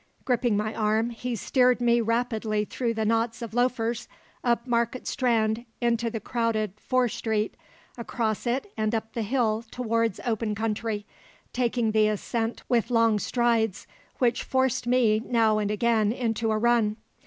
Gripping my arm, he steered me rapidly through the knots of loafers, up Market Strand into the crowded Fore Street, across it and up the hill towards open country, taking the ascent with long strides which forced me now and again into a run.